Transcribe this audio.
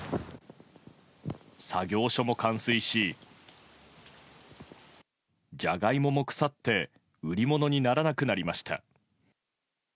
作業所も冠水しジャガイモも腐って売り物にならなくなりました。